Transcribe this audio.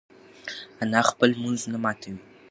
انا خپل لمونځ نه ماتوي.